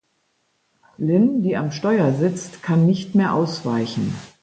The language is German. Lynn, die am Steuer sitzt, kann nicht mehr ausweichen.